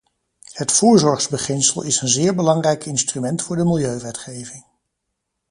Het voorzorgsbeginsel is een zeer belangrijk instrument voor de milieuwetgeving.